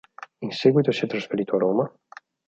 In seguito si è trasferito a Roma.